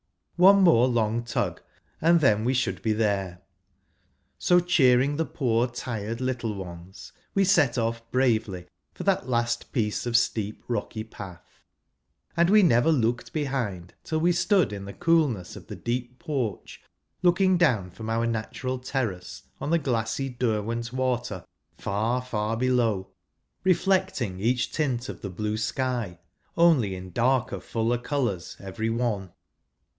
One more long tug and then we should be there. So, cheering the poor tired little ones, we set off bravely for that last piece of steep rocky path ; and we never looked behind till we stood in the coolness of the deep porch, lookhm down from our natural terrace on the glassy Derwent water, far, far below, reflecting each tint of the blue sky, only in darker fuller colours every one.